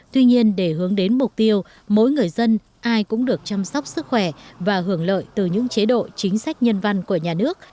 tuy nhiên để hướng đến mục tiêu mỗi người dân ai cũng được chăm sóc sức khỏe và hưởng lợi từ những chế độ chính sách nhân văn của nhà nước